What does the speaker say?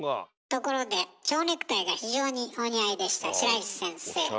ところでちょうネクタイが非常にお似合いでした白石先生